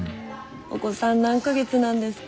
お子さん何か月なんですか？